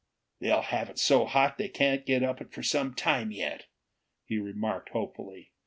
"They'll have it so hot they can't get up it for some time yet," he remarked hopefully.